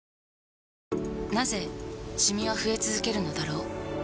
なぜシミは増え続けるのだろう